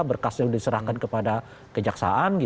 berkasnya sudah diserahkan kepada kejaksaan